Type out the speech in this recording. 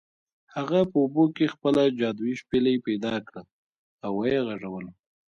هغه په اوبو کې خپله جادويي شپیلۍ پیدا کړه او و یې غږوله.